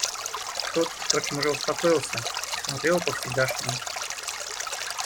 Тот, впрочем, уже успокоился и смотрел по-всегдашнему.